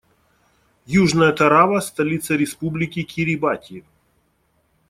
Южная Тарава - столица Республики Кирибати.